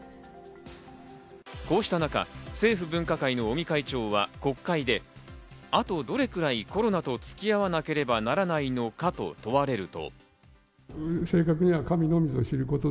こうした中、政府分科会の尾身会長は、国会であとどれくらいコロナとつき合わなければならないのかと問われると。